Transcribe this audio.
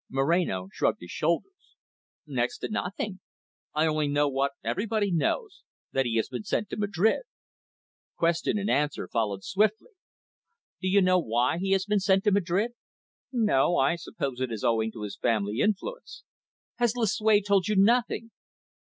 Moreno shrugged his shoulders. "Next to nothing. I only know what everybody knows, that he has been sent to Madrid." Question and answer followed swiftly. "Do you know why he has been sent to Madrid?" "No. I suppose it is owing to his family influence." "Has Lucue told you nothing?"